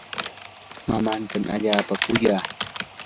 mamaatami allaapa kuya.